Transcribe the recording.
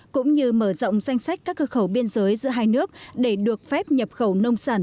cũng như mở rộng danh sách các cơ khẩu biên giới giữa hai nước để được phép nhập khẩu nông sản